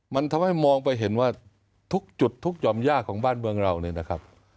มันทำให้มองไปเห็นว่าทุกจุดทุกยอมยากของบ้านเมืองเราเนี่ยนะครับ